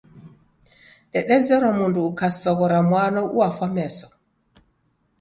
Dedezerwa mundu ukasoghora mwano uwafwa meso.